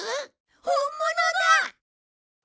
本物だ！